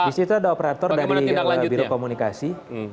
di situ ada operator dari biro komunikasi